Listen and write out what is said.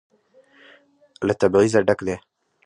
له تبعيضه ډک دى.